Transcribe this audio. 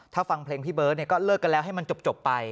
ถ้าฟังเพลงพี่เบิร์ตก็เลิกกันแล้วให้มันจบไป